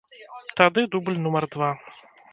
Тады дубль нумар два.